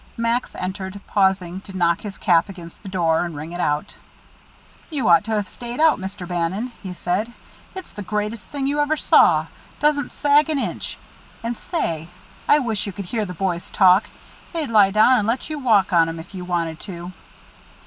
Max entered, pausing to knock his cap against the door, and wring it out. "You ought to have stayed out, Mr. Bannon," he said. "It's the greatest thing you ever saw doesn't sag an inch. And say I wish you could hear the boys talk they'd lie down and let you walk on 'em, if you wanted to."